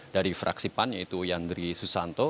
dari fraksi pan yaitu yandri susanto